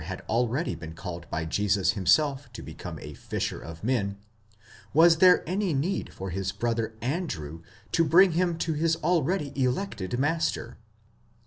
had already been called by Jesus himself to become a fisher of men, was there any need for his brother Andrew to bring him to his already elected master.